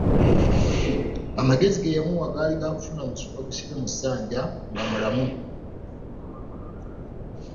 Amagezi ge yamuwa gaali ga kufuna musu bagusibe mu ssanja nga mulamu.